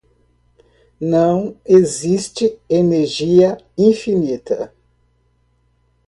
Não existe energia infinita.